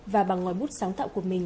và bằng ngoài bút sáng tạo của mình